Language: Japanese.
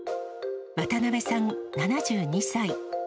渡部さん７２歳。